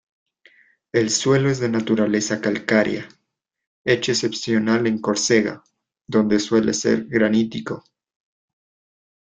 El suelo es de naturaleza calcárea, hecho excepcional en Córcega, donde suele ser granítico.